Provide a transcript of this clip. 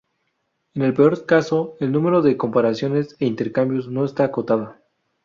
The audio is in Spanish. En el peor caso el número de comparaciones e intercambios no está acotada.